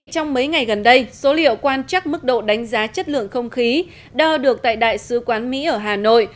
trong mấy ngày gần đây số liệu quan trắc mức độ đánh giá chất lượng không khí đo được tại đại sứ quán mỹ ở hà nội